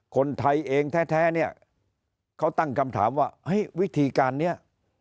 คนไทยเองแท้เนี่ยเขาตั้งคำถามว่าเฮ้ยวิธีการนี้